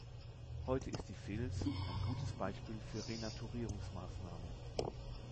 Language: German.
Heute ist die Vils ein gutes Beispiel für Renaturierungsmaßnahmen.